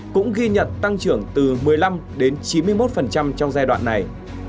cũng ghi nhận tăng trưởng từ một mươi năm đến chín mươi một trong giai đoạn này